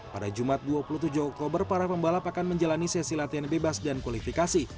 pada jumat dua puluh tujuh oktober para pembalap akan menjalani sesi latihan bebas dan kualifikasi